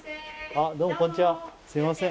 あっどうもこんちはすいません